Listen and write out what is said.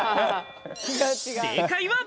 正解は。